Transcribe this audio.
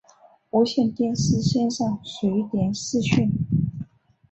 无线电视线上随点视讯